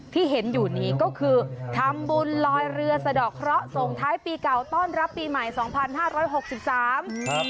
ที่เห็นอยู่นี้ก็คือทำบุญลอยเรือสะดอกเคราะห์ส่งท้ายปีเก่าต้อนรับปีใหม่๒๕๖๓